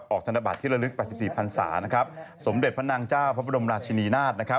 ธนบัตรที่ระลึก๘๔พันศาสมเด็จพระนางเจ้าพระบรมราชินีนาฏ